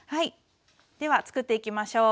ではつくっていきましょう。